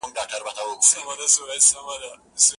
سیاه پوسي ده، شپه لېونۍ ده.